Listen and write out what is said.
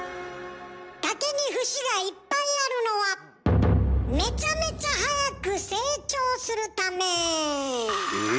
竹に節がいっぱいあるのはめちゃめちゃ早く成長するため。